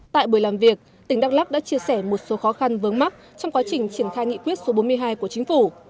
tại buổi làm việc tỉnh đắk lắc đã chia sẻ một số khó khăn vớn mắc trong quá trình triển khai nghị quyết số bốn mươi hai của chính phủ